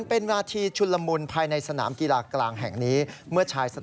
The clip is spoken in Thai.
ไปวิ่งไปเลย